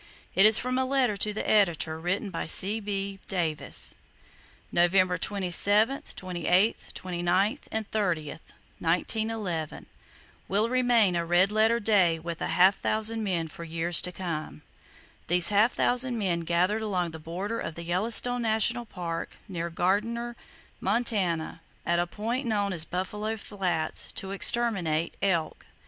It is from a letter to the Editor, written by C.B. Davis. November 27, 28, 29, and 30, 1911, will remain a red letter day with a half thousand men for years to come. These half thousand men gathered along the border of the Yellowstone National Park, near Gardiner, Montana, at a point known as Buffalo Flats, to exterminate elk.